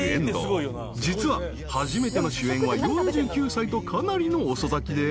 ［実は初めての主演は４９歳とかなりの遅咲きで］